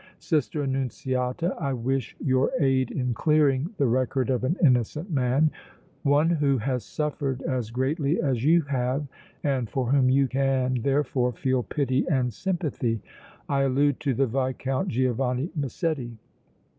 Sister Annunziata, I wish your aid in clearing the record of an innocent man, one who has suffered as greatly as you have and for whom you can, therefore, feel pity and sympathy. I allude to the Viscount Giovanni Massetti."